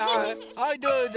はいどうぞ！